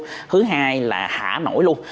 thứ hai là thả nội luôn